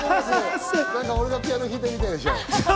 俺がピアノ弾いてみたいでしょ。